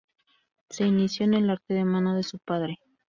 Se inició en el arte de mano de su padre.